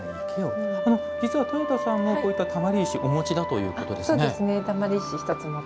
実はとよたさんもこういった溜まり石をお持ちだということですね。